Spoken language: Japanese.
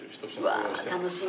うわあ楽しみ！